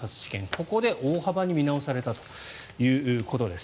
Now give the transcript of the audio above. ここで大幅に見直されたということです。